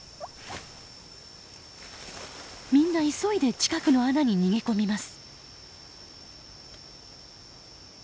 みんな急いで近くの穴に逃げ込みます。